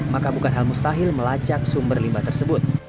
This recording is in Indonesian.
maka bukan hal mustahil melacak sumber limbah tersebut